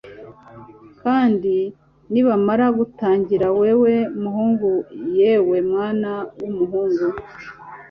Kandi nibamara gutangira yewe muhungu yewe mwana wumuhungu